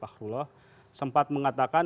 pak hrullah sempat mengatakan